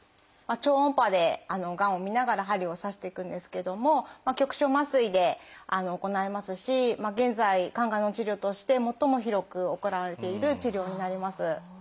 超音波でがんを見ながら針を刺していくんですけども局所麻酔で行いますし現在肝がんの治療として最も広く行われている治療になります。